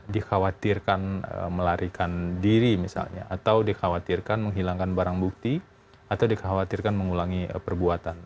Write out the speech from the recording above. dikhawatirkan melarikan diri misalnya atau dikhawatirkan menghilangkan barang bukti atau dikhawatirkan mengulangi perbuatan